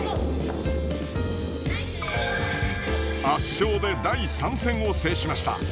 圧勝で第３戦を制しました。